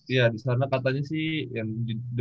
iya disana katanya sih ya berangkat ya